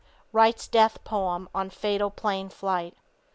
WRITES DEATH POEM ON FATAL PLANE FLIGHT.